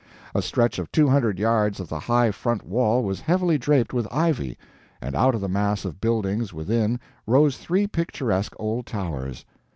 A stretch of two hundred yards of the high front wall was heavily draped with ivy, and out of the mass of buildings within rose three picturesque old towers.